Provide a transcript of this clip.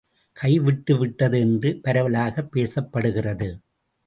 கைவிட்டு விட்டது என்று பரவலாகப் பேசப் படுகிறது.